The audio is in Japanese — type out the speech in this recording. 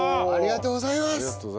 ありがとうございます。